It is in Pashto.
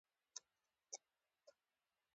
د هند ټولنه په څلورو ډلو ویشل شوې وه.